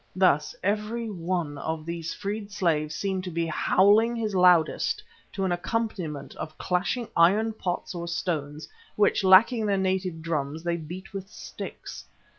Thus every one of these freed slaves seemed to be howling his loudest to an accompaniment of clashing iron pots or stones, which, lacking their native drums, they beat with sticks.